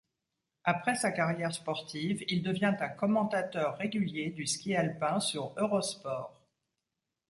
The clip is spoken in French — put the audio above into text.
Après sa carrière sportive, il devient un commentateur régulier du ski alpin sur Eurosport.